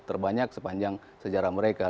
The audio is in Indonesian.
terbanyak sepanjang sejarah mereka